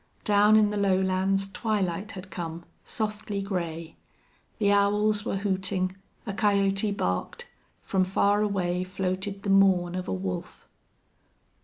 Down in the lowlands twilight had come, softly gray. The owls were hooting; a coyote barked; from far away floated the mourn of a wolf.